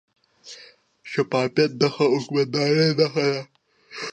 شفافیت د ښه حکومتدارۍ نښه ده.